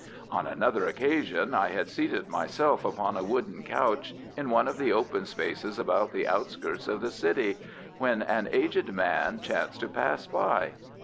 On another occasion I had seated myself upon a wooden couch in one of the open spaces about the outskirts of the city, when an aged man chanced to pass by.